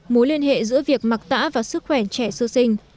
mối liên hệ giữa việc mặc tả và sức khỏe trẻ sơ sinh